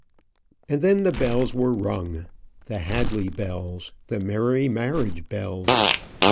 And then the bells were rung, the Hadley bells, the merry marriage bells.